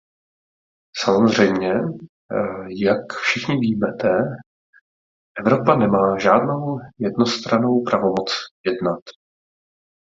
Samozřejmě, jak všichni víte, Evropa nemá žádnou jednostrannou pravomoc jednat.